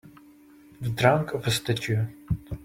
The trunk of a statue